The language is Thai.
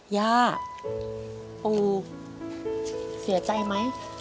ย่าปูเสียใจไหม